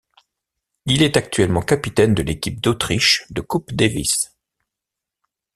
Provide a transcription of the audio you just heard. Il est actuellement capitaine de l'équipe d'Autriche de Coupe Davis.